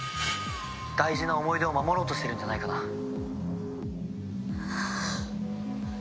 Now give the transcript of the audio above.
「大事な思い出を守ろうとしてるんじゃないかな」はあ。